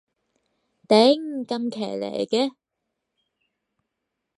頂，咁騎呢嘅